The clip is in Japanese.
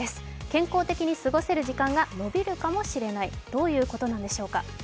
健康的に過ごせる時間が伸びるかもしれない、どういうことなんでしょうか。